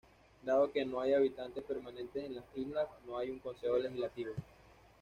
Dado que no hay habitantes permanentes en las islas, no hay un consejo legislativo.